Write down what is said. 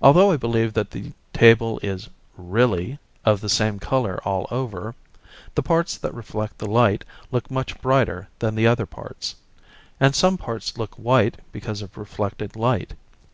Although I believe that the table is 'really' of the same colour all over, the parts that reflect the light look much brighter than the other parts, and some parts look white because of reflected light.